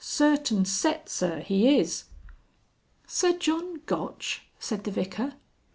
Certain set, Sir, he is." "Sir John Gotch!" said the Vicar.